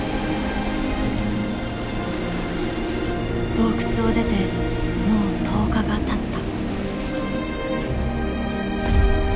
洞窟を出てもう１０日がたった。